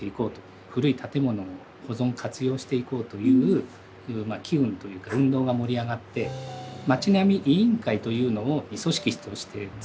古い建物を保存活用していこうという機運というか運動が盛り上がって町並み委員会というのを組織として作ろうと。